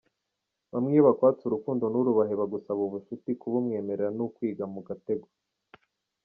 Bamwe iyo bakwatse urukundo nturubahe bagusaba ubushuti kubumwemerera ni ukwiga mu gatego.